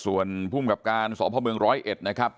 ส่วนภูมิกับการสพเมืองร้อยเอ็ดนะครับ